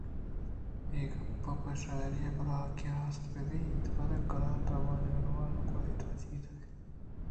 اے گپ پہ شاعری ءَ بلکیں راست بہ بیت بلئے قلات ءِ وانگ ءَ وانوک اے توجیل ءَ دیست نہ کنت